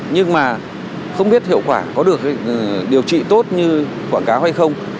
nhưng mà không biết hiệu quả có được điều trị tốt như quảng cáo hay không